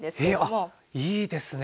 えあっいいですね。